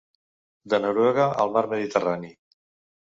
De Noruega al mar Mediterrani.